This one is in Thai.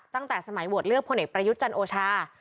ตั้งแต่สมัยโหวตเลือกพลเอกประยุทธ์จันโอชา